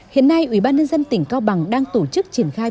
hiện nay ubnd tỉnh cao bằng đang tổ chức triển khai